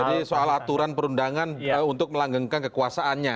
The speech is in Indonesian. jadi soal aturan perundangan untuk melanggengkan kekuasaannya